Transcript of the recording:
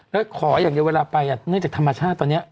แล้วขออย่างเดียวเวลาไปเนื่องจากธรรมชาติตอนนี้